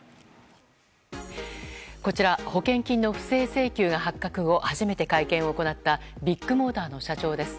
こちら保険金の不正請求が発覚後初めて会見を行ったビッグモーターの社長です。